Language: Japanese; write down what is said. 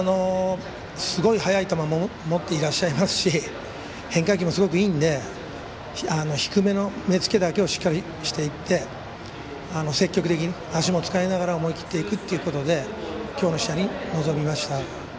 すごい速い球も持っていらっしゃいますし変化球もすごくいいので低めの目付けだけをしっかりしていって積極的に足も使いながら思い切っていくということで今日の試合に臨みました。